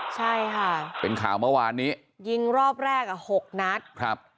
ใช่ค่ะเป็นข่าวเมื่อวานนี้ยิงรอบแรกอ่ะหกนัดครับ